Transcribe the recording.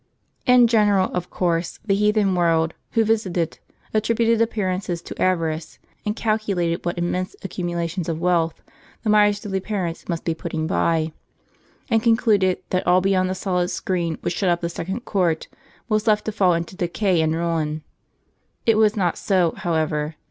w In general, of course, the heathen world, who visited, attributed appearances to avarice, and calculated what immense accumulations of wealth the miserly parents must be putting by; and concluded that all beyond the solid screen which shut up the second court, was left to fall into decay and ruin. It was not so, however.